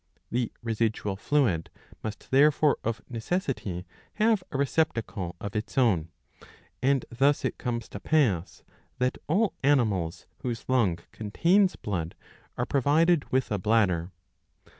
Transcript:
The residual fluid must therefore of necessity have a receptacle of its own ; and thus it comes to pass that all animals whose lung contains blood are provided with a bladder.